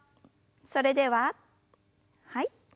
それでははい。